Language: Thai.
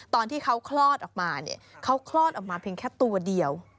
ตอนที่เขาคลอดออกมาเนี่ยเขาคลอดออกมาเพียงแค่ตัวเดียว